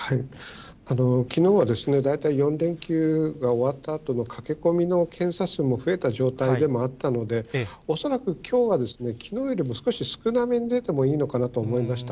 きのうは大体４連休が終わったあとの駆け込みの検査数も増えた状態でもあったので、恐らくきょうはきのうよりも少し少なめに出てもいいのかなと思いました。